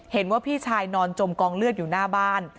เห็นว่าพี่ชายนอนจมกองเลือดอยู่หน้าบ้าน